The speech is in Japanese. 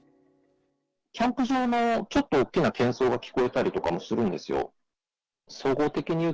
キャンプ場のちょっと大きなけん騒が聞こえたりとかもするんですよ。